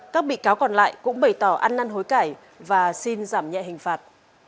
các bị cáo còn lại cũng bày tỏ ăn năn hối cải và xin giảm nhẹ hình phạt